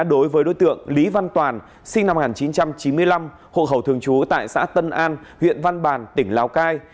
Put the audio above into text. đối với đối tượng lý văn toàn sinh năm một nghìn chín trăm chín mươi năm hộ khẩu thường trú tại xã tân an huyện văn bàn tỉnh lào cai